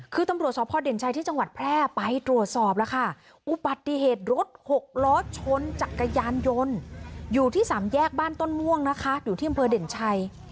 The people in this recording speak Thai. คือตำรวจสอบพ่อเด่นชัยที่จังหวัดแพร่ไปตรวจสอบแล้วค่ะอุบัติเหตุรถหกล้อชนจักรยานยนต์อยู่ที่สามแยกบ้านต้นม่วงนะคะอยู่ที่อำเภอเด่นชัย